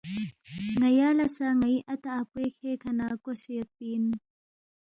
ن٘یا لہ سہ ن٘ئی اتا اپوے کھے کھہ نہ کوسے یودپی اِن